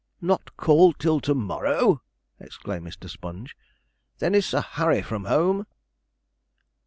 'Not called till to morrow!' exclaimed Mr. Sponge; 'then is Sir Harry from home?'